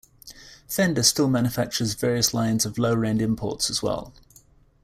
Fender still manufactures various lines of lower-end imports, as well.